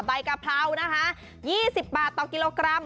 กะเพรานะคะ๒๐บาทต่อกิโลกรัม